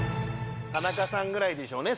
田中さんぐらいでしょうね